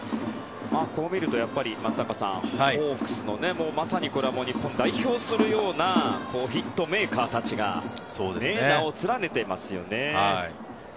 こう見ると、松坂さんホークスのまさに日本を代表するようなヒットメーカーたちが名を連ねていますよね。